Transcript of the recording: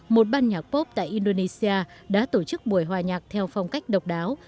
một ban nhạc pop tại indonesia đã tổ chức buổi hòa nhạc theo phong cách độc đáo